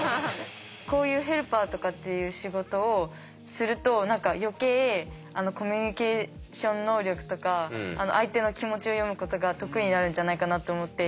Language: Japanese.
こういうヘルパーとかっていう仕事をすると何か余計コミュニケーション能力とか相手の気持ちを読むことが得意になるんじゃないかなと思って。